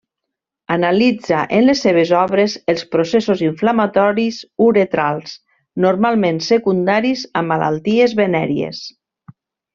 Analitza en les seves obres els processos inflamatoris uretrals, normalment secundaris a malalties venèries.